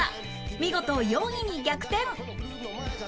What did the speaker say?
見事４位に逆転